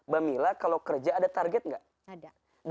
bamiila kalau kerja ada target enggak ada